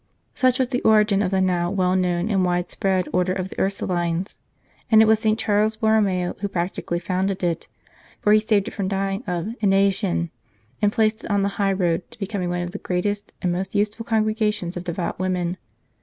Such was the origin of the now well known and widespread Order of the Ursulines, and it was St. Charles Borromeo who practically founded it ; for he saved it from dying of inanition, and placed it on the highroad to become one of the greatest and most useful Congregations of devout women.